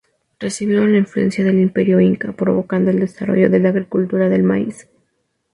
Recibieron la influencia del Imperio inca, provocando el desarrollo de la agricultura del maíz.